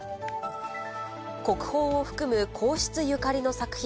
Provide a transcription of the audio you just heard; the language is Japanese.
国宝を含む皇室ゆかりの作品